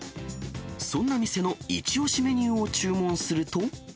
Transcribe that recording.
そんな店の一押しメニューを注文すると。